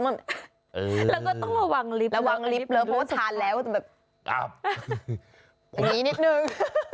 แล้วก็ต้องระวังลิฟต์ระวังลิฟต์แล้วเพราะว่าทานแล้วจะแบบอย่างนี้นิดนึง